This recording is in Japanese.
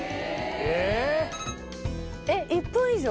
えっ１分以上？